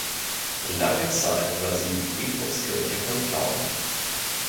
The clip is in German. Lange Zeit war sie die Friedhofskirche von Plauen.